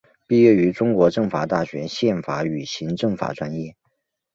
毕业于中国政法大学宪法与行政法专业。